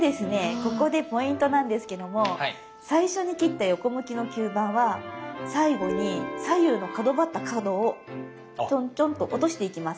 ここでポイントなんですけども最初に切った横向きの吸盤は最後に左右の角張った角をちょんちょんと落としていきます。